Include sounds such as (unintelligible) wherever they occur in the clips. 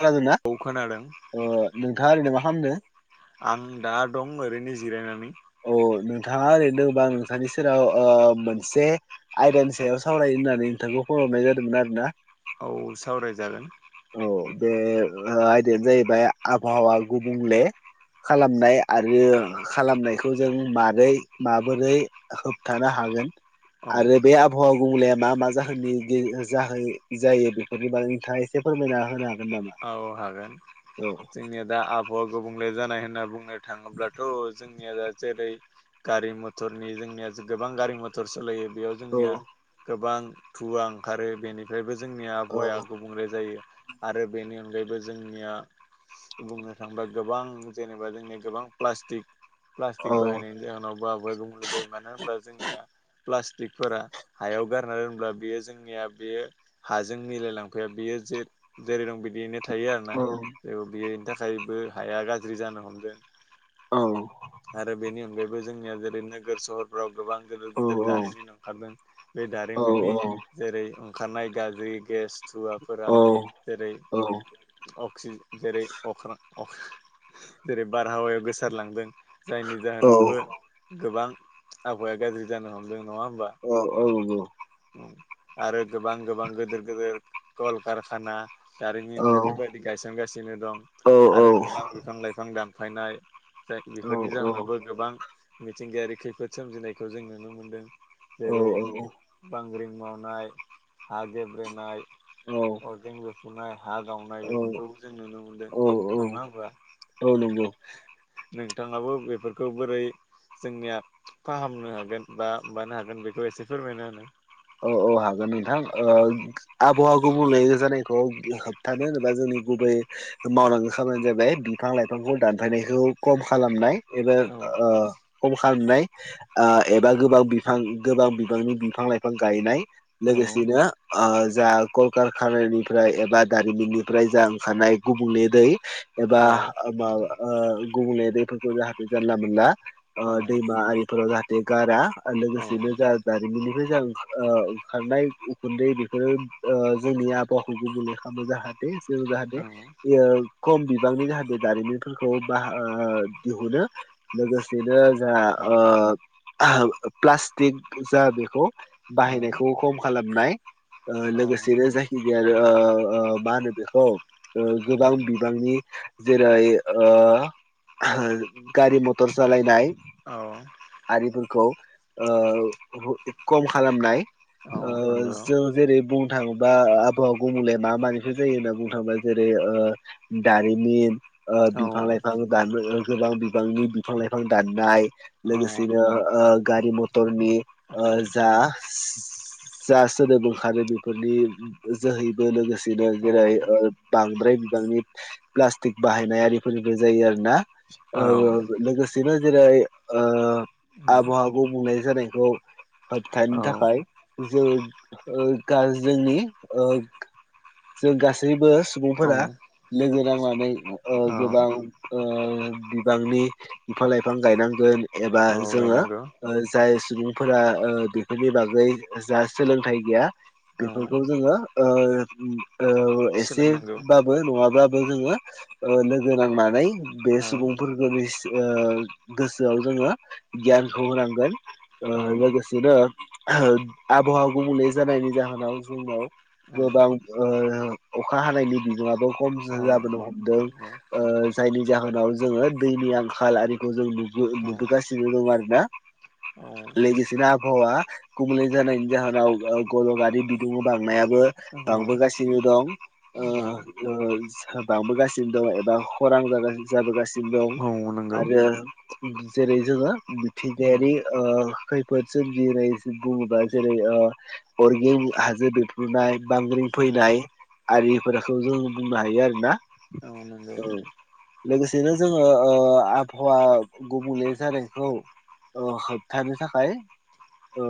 खोनादों ना? औ खोनादों। ओ नोंथाङा ओरैनो मा खामदों? आं दा दं ओरैनो जिरायनानै। औ-औ नोंथाङा ओरैनो दोङोबा आं नोंथांनि सेराव ओ मोनसे आयदानि सायाव सावरायनो होननानै नोंथांखौ फन हरनाय जादोमोन आरो ना औ सावरायजागोन औ बे आयदायानो जाहैबाय आबहावा गुबुंले खालामनाय आरो खालामनायखौ जों मारै माबोरै होबथानो हागोन औ आरो बे आबहावा गुबुंलेया मा-मा जाहोननि गे जाहै जायो बेफोरनि बागै नोंथाङा एस से फोरमायना होनो हागोन नामा? औ हागोन औ जोंनिया दा आबहावा गुबुंले जानाय होनना बुंनाय थाङोब्लाथ' जोंनिया (inaudible) जेरै गारि मथरनि जोंनिया गोबां गारि मथर सालायो बेयाव औ जोंनिया गोबां थुवा ओंखारो बेनिफ्रायबो जोंनि औ आबहावाया गुबुंले जायो आरो बेनि अनगायैबो जोंनिया बुंनो थांबा गोबां जेनेबा जोंनिया गोबां प्लास्टिक औ प्लास्टिक बाहायनायनि जाहोनाव बा गुबुंले जायो। मानो होनब्ला जोंनिया प्लास्टिकफोरा हायाव गारना दोनब्ला बेयो जोंनिया बेयो हाजों मिलायलांफाया बियो जे जेरै दं बिदियैनो थायो आरोना औ जे बेनि थाखायबो हाया गाज्रि जानो हमदों औ आरो बेनि अनगायैबो जोंनिया जेरै नोगोर- सहर राव गोबां गिदेर - गिदेर दारिमिन ओंखारदों बे औ दारिमिननि औ औ जेरै ओंखारनाय गाज्रि गेस थुवाफोरा औ जेरै अक्सिज जेरै अ (unintelligible) जेरै बारहावायाव गोसारलांदों जायनि औ जाहोनावबो गोबां आबहावाया गाज्रि जानो हमदों नङा होमबा औ -औ -औ। आरो गोबां गोबां गिदिर -गिदिर कलकारखाना औ जारिमिन बेफोरबायदि बि गायसनगासिनो दं आरो गोबां बिफां -लाइफां दानफायनाय जाय बेफोरनि जाहोनावबो गोबां मिथिंगायारि खैफोद सोमजिनायखौ जों नुनो मोनदों। औ जेरै बांग्रिं मावनाय, हा गेब्रेनाय अरगें बेरफुनाय हा गावनाय बेफोरखौबो जों नुनो मोनदों औ नङा होनबा औ नंगौ नोंथाङाबो बेफोरखौ बोरै जोंनिया फाहामनो हागोन बा मानो हागोन बेखौ एसे फोरमायना होनाय औ -औ हागोन नोंथां। ओ आबहावा गुबुंले जानायखौ होबथानो जेनबा जोंनि गुबै मावनांगौ खामानिबो जाबाय बिफां - लाइफांखौ दानफायनायखौ खम खालामनाय। एबार ओ खम खालामनाय ओ एबा गोबां बिफां गोबां बिफांनि बिफां - लाइफां गायनाय। औ लोगोसेनो ओ जा कलकारखानानिफ्राय एबा दारिमिननिफ्राय जा ओंखारनाय गुबुंले दै एबा औ माबा ओ गुबुंले दैफोरखौ जाहाथे जानला मोनला ओ औ दैमा आरिफोराव जाहाथे गारा आरो औ लोगोसेनो जा जारिमिननिफ्राय जा ओ ओंखारनाय उखुन्दै बेफोरो ओ जोंनि आबहावाखौ गुबुंले खालामनो जाहाथे जों जाहाथे औ (unintelligible) खम बिबांनि जाहाथे दारिमिनफोरखौ बा दिहुनो लोगोसेनो जा औ ओ प्लास्टिक जा बेखौ बाहायनायखौ खम खालामनाय ओ लोगोसेनो जाय आरो ओ मा होनो बेखौ ओ गोबां बिबांनि जेरै ओ गारि - मथर सालायनाय औ। आरिफोरखौ ओ‌ खम खालामनाय औ ओ‌ नंगौ जों जेरै बुं बुंनो थाङोबा आबहाव आ माबोरै मा मानिफोर जायो होनना बुंनो थाङोबा जेरै। दारिमिन। औ बिफां लाइफां दान गोबां बिफांनि बिफां लाइफां दाननाय। औ लोगोसेनो गारि मथरनि औ जा जा सोदोब ओंखारो बेफोरनि जोहैबो लोगोसेनो जेरै ओ बांद्राय बिबांनि प्लास्टिक बाहायनाय आरिफोरबो जायो आरो ना औ ओ लोगोसेनो जेरै ओ आबहावाखौ बुंनाय जानायखौ होबथानो औ थाखाय जो जोंनि। जों गासैबो औ सुबुंफोरा। लोगो नांनानै गोबां बिबांनि बिफां लाइफां गायनांगोन एबा औ जोङो गायनांगौ जाय सुबुंफोरा बेफोरनि बागै जा सोलोंथाइ गैया औ बेफोरखौ जोङो एसे सोलोंनांगौ बा। नङाब्लाबो जोङो। लोगो नांनानै बे औ सुबुंफोरखौ गोसोआव जोङो। गियानखौ होनांगोन औ लोगोसे। बिदिनो आबहावा गुबुंले जानायनि जाहोनाव जोंनाव औ गोबां अखा हानायनि बिगङाबो खम औ जाबोनो हमदों। जायनि जाहोनाव जोङो दैनि आंखाल आरिखौ जोंु नुबोगासिनो दं आरो ना। (inaudible) औ। बायदिसिना आबहावा गुबुंलै जानायनि जाहोनाव गलंारि बिदुंङा बांनायाबो। दांबोगासिनो दं ओ बांबोगासिनो दं एबा खरां जाबोगासिनो औ दं औ नंगौ आरो जेरै जोङो मिथिंगायारि खैफोद सोमजि बुङोबा जेरै अरगिं हाजो बेफ्रुनाय बांग्रिं फैनाय। आरिफोरखौ जों बुंनो हायो आरोना आ (unintelligible) लोगोसेनो जोङो आबहावा गुबुंले जानायखौ। अ होबथानि थाखाय ओ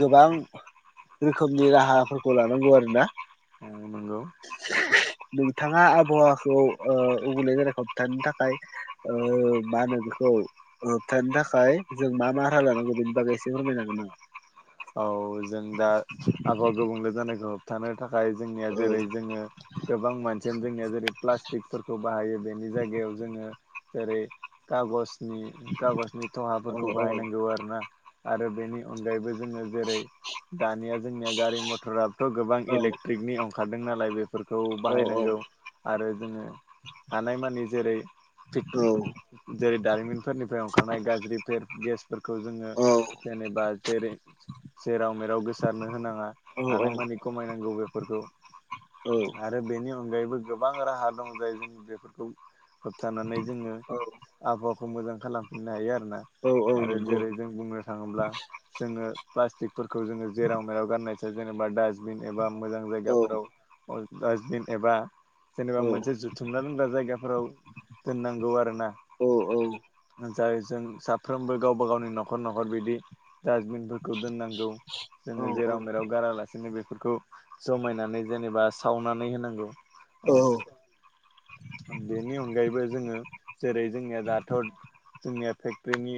गोबां रोखोमनि राहाफोरखौ लानांगौ आरोना औ नंगौ। नोंथाङा आबहावाखौ उबैे जानायखौ होबथानो थाखाय मा होनो बेखौ होबथानो थाखाय जों मा मा रारा लानांगौ बे बबा एसे फोररमाय जागोना? औ जों दा आबहावा गुबुंले जानायखौ होबथानो थाखाय जोंनिया जेरै जोङो। गोबां मानसियानो जोंनिया जेरै प्लास्टिकफोरखौ बाहायो बेनि जायगायाव जोङो जेरै कागज। नि खागजनि औ थहाफोरखौ औ बाहायनांगौ आरोना आरो बेनि अनगायैबो जोङो। जेरै दानिया जोंनिया गारि मथराबथ' गोबां औ इलेक्ट्रिकनि ओंखारदों नालाय बे फोरखौ औ बाहायनांगौ आरो जोङो हानायमानि जेरै औ जेरै दारिमिनफोरनिफ्राय ओंखारनाय गाज्रि फेर गेसफोरखौ जोङो। औ जेनेनि बा जेरै जेराव मेराव गोसारनो होनाङा औ हानायमानि खमायनांगौ बेफोरखौ। आरो बेनि अनगायैबो गोबां राहा दं जाय जों बेफोरखौ। होबथानानै जोङो औ आबहावाखौ मोजां खालामफिननो हायो आरोना। औ औ आरो नंगौ जेरै जों बुङो। थोङोब्ला जोंङो फ्लासथिकफोरखौ जोङो जेराव मेराव गारनायखौ जेनेबा‌ दा बिन एबा मोजां औ जायगाफोराव डासबिन एबा जेनेबा औ मोनसे जुथुमना लोनग्रा जायगाफोराव दोननांगौ आरोना औ औ जाय जों साफ्रोमबो गावबा गावनि न'खर न'खर बिदि डास्टबिनफोरखौ दोननांगौ औ जोङो औ जेराव मेराव गारालासिनो बेफोरखौ जमायनानै जेनेबा सावनानै होनांगौ औ। बेनि अनगायैबो जोङो जेरै जोंनिया दाथ' जोंनिया फेक्टर्रिनि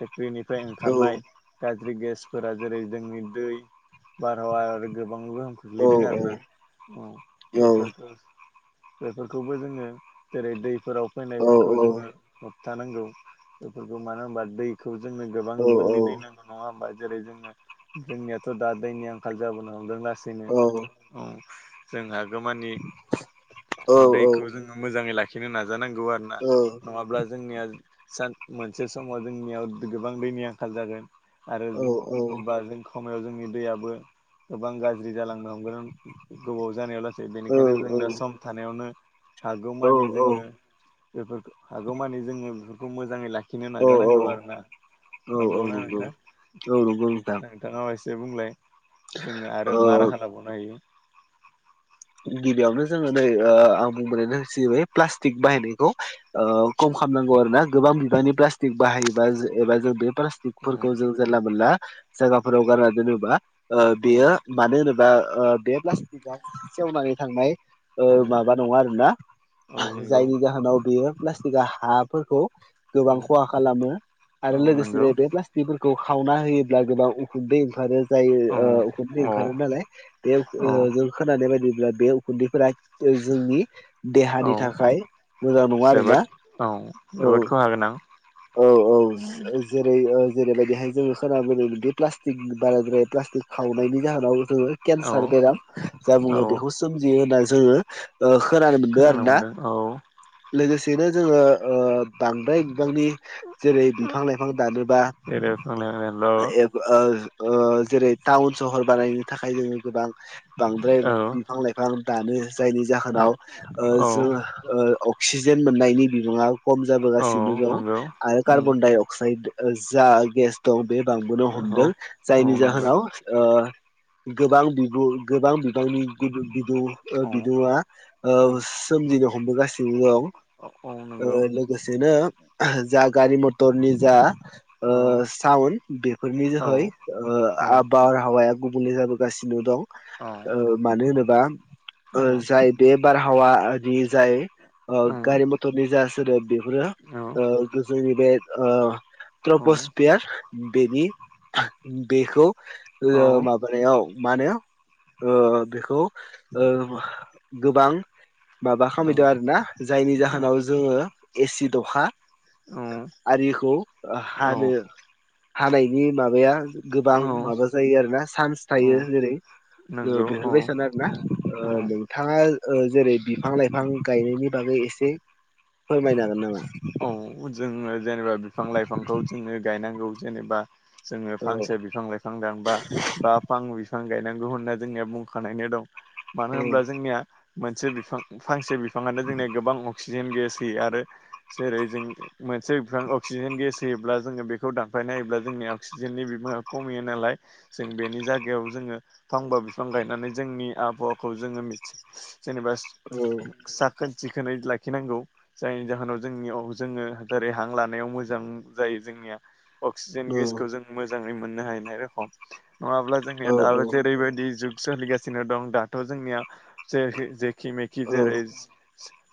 फेक्टरिनिफ्राय ओंखारनाय गाज्रि गेसफोरा। जेरै जोंनि दै बारहावा आरो गोबांबो गोग्लैदों आरो ना बेफोरखौ। बेफोरखौबो जोङो जेरै दैफोराव फैनायफोरखौ जोङो होबथानांगौ बेफोरखौ मानो होनबा दैखौ जोंनो गोबां औ बिबांनि दै नांगौ नङा होमबा जेरै जोङो जोंनियाथ' दा दैनि आंखाल जाबोनो हमदों लासैनो जों हागौमानि दैखौ जोङो मोजाङै लाखिनो नाजानांगौ आरो नङाब्ला जोंनिया सान मोनसे समाव जोंनियाव गोबां दैनि आंखाल जागोन आरो बा जों खायाव जोंनि दैआबबो गोबां गाज्रि जालांनो हमगोन गोबाव जानायाव बेनिखायनो जों दा सम थानायावनो हागौमानि जोङो बेफोरखौ हागौमानि जोङो बेफोरखौ मोजाङै लाखि खिनो नाजानांगौ आरो ना औ नंगौना नंगौ नोंथां औ नंगौ नोथां नोंथाङाबो एसे बुंलाय जोङो आरो ओ मा राहा लाबावनो हायो गिबियावनो जोङो नै ओ आं बुंबोनायबाय प्लास्टिक बाहायनायखौ ओ खम खालामनांगौ आरो ना गोबां बिबांनि प्लास्टिक बाहायोबा एबा जों बे प्लासट जों जानला मोनला जायगाफोराव गारनानै दोनोबा ओ औ बेयो मानो होनोब्ला बा ओ बे फ्लासथिक सेवनानै थांनाय ओ औ माबा नङा आरोना औ नंगौ जायनि जाहोनाव बेयो प्लास्टिकआ हाफोरखौ औ गोबां खहा खालामो आरो औ नंगौ लोगोसेनो बे प्लास्टि बेफोरखौ खावना होयोब्ला गोबां उखुन्दै ओंखारो जाय औ उखुन्दै औ ओंखारो नालाय बे औ जों खोनानाय बायदिब्ला बे उखुन्दैफोरा जोंनि औ देहानि थाखाय मोजां नङा आरोना जोबोद औ औ जोबोद खहा गोनां औ औ जेरै जेरैबायदिहाय जोङो खोनाबदों बे प्लास्टिक बाराद्राय फ्लास्टिक सावनायनि जाहोनाव जोङो औ केन्सार बेराम जा औ बुङो बेखौ सोमजियो होननानै जोङो ओ खोनानो मोनदों आरो ना लोगोसेनो जोङो ओ बांद्राय बिबांनि जेरै बिफां लाइफां दानोबा जेरै बिफां लाइफांल' ए ओ जेरै टाउन सहर बानायनो थाखाय जोङो गोबां बांद्राय औ बिफां लाइफां दानो जायनि जाहोनाव ओ औ जोङो ओ अक्सिजेन मोननायनि बिबाङा खम औ जाबोगासिनो दं नंगौ आरो उम कार्बन डाय अक्साइद जा गेस दं बे बांबोनो हमदों औ औ जायनि नंगौ जाहोनाव ओ गोबां बिदुं गोबां बिबांनि बिदुं ओ औ बिदुं'आ ओ औ सोमजिनो हमबो गासिबो दं औ नंगौ ओ लोगोसेनो जा गारि मथरनि जा ओ औ साउन बेफोरनि औ जोहै ओ औ आब बारहावाया गुबुंले जादों गासिनो दं मानो होनोबा उम औ ओ जाय बे बारहावानि जाय ओ गारि मथरनि जा सोदोब बेफोरो ओ जोंनि बे ओ ट्रपस्पियार बेनि बेखौ माबा मोनायाव मानायाव ओ बेखौ ओ गोबां माबा खामदों आरोना जायनि जाहोनाव जोङो एसिड अखा आ आरिखौ हानो हानायनि माबाया गोबां माबा जायो आरो ना सान्स थायो जेरै नंगौ औ बेफोरबायसानो आरो ना औ औ बिथाङा ओ जेरै बिफां लाइफां गायनायनि बागै एसे फोरमायनो हागोन नामा औ जोङो जेनेबा बिफां लाइफांखौ जोङो गायनांगौ जेनेबा जोङो औ फांसे बिफां लाइफां बिफां दांबा बा फां बिफां गायनांगौ होनना जोंनिया बुंखानायानो दं औ मानो होनब्ला जोंनिया मोनसे बिफां फांसे बिफाङानो जोंनिया गोबां अक्सिजेन गेस होयो आरो जेरै जों मोनसे बिफां अक्सिजेन गेस होयोब्ला जोङो बेखौ दानफायना होयोब्ला जोंनिया अक्सिजेननि बिबाङा खमियो नालाय जों बेनि जायगायाव जोङो फांबा बिफां गायनानै जोंनि आबहावाखौ जोङो मिथि जेनेबा औ साखोन सिखोनै लाखिनांगौ जायनि जाहोनाव जोंनियाव जोङो जेरै हां लानायाव मोजां जायो जोंनिया अक्सिजेन गेसखौ जों मोजाङै मोननो हायनाय रखम नङाब्ला औ जोंनिया दो जेरैबायदि जु सोलिगासिनो दं दाथ' जोंनिया जे जेखि मेखि औ जेरै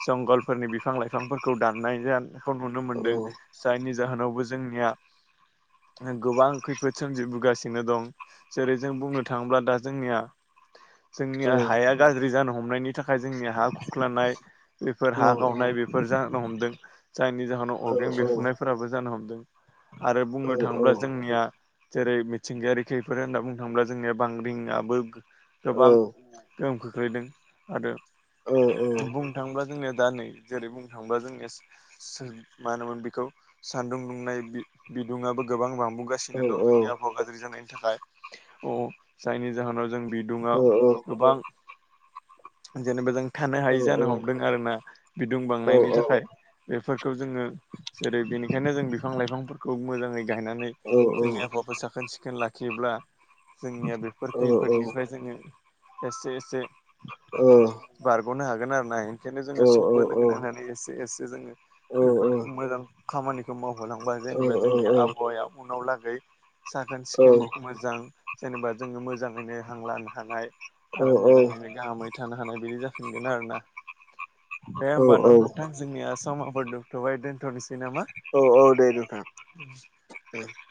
जंगलफोरनि बिफां लाइफांफोरखौ दाननायाखौ नुनो औ मोनदों जायनि जाहोनावबो जोंनिया गोबां खैफोद सोमजिबोगासिनो दं जेरै जों बुंनो थाङोब्ला दा जोंनिया जोंनि हाया गाज्रि जानो हमनायनि थाखाय जोंनि हा खुख्लानाय बेफोर औ हा गावनाय बेफोर जानो हमदों जायनि जाहोनाव औ अरगें औ बेरफुनायफोराबो जानो हमदों आरो बुंनो थाङोब्ला जोंनिया जेरै मिथिंगायारि खैफोद होनना बुंनो थाङोब्ला जोंनिया बांग्रिंआबो गोबां गोहोम खोख्लैदों आरो बुं बुंनो थाङोब्ला जोंनिया दा नै जेरै बुंनो थाङोबा जोंनिया सो मा होनोमोन बेखौ सान्दुं दुंनाय बि बिदुुंआबो गोबां बांबोगा सिनो दं जोंनि आबहावा गाज्रि जानायनि थाखाय अह जायनि जाहोनाव जों बिदुुंआव गोबां जेनेबा जों थानो हायि जानो हमदों आरोना बिदुं बांनायनि थाखाय बेफोरखौ जोङो जेरै बेनिखायनो जों बिफां लाइफांफोरखौ मोजाङै गायनानै जोंनि आबहावाखौ साखोन सिखोन लाखियोब्ला जोंनिया बेफोर खैफोदनिफ्राय जोङो एसे-एसे ओ बारग'नो हागोन आरोना ओंखायनो जोङो सबबो लोगो नांनानै एसे-एसे जोङो औ औ बेफोरखौ औ मोजां खामानिखौ मावहोलांबा औ जेनेबा जोंनि आबहावाया उनावहा लागै साखोन औ सिखोन मोजां जेनेबा जोङो मोजाङैनो हांलानो हानाय आरो मोजाङैनो गाहामै थानो हानाय बिदि जाफिनगोन आरो ना दे औ होमबा न' नोंथां जोंनिया समा उन्दुथ'बाय दोनथ'नोसै नामा औ औ दे नोंथां (unintelligible)